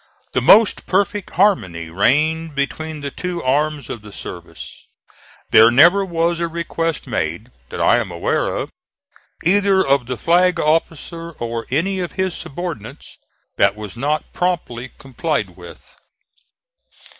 The most perfect harmony reigned between the two arms of the service. There never was a request made, that I am aware of, either of the flag officer or any of his subordinates, that was not promptly complied with.